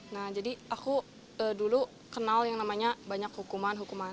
nah jadi aku dulu kenal yang namanya banyak hukuman hukuman